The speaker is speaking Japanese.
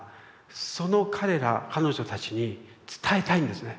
その彼ら彼女たちに伝えたいんですね。